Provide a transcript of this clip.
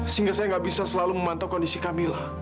sehingga saya tidak bisa selalu memantau kondisi kamila